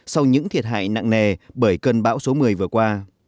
sau những thiệt hại nặng nề bởi cơn bão số một mươi vừa qua